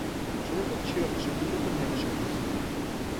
Човекот чија беше куќата не беше присутен.